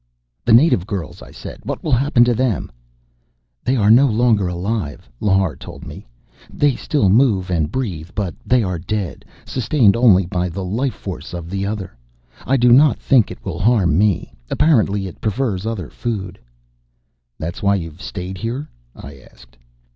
"The native girls," I said. "What will happen to them?" "They are no longer alive," Lhar told me. "They still move and breathe, but they are dead, sustained only by the life force of the Other. I do not think it will harm me. Apparently it prefers other food." "That's why you've stayed here?" I asked.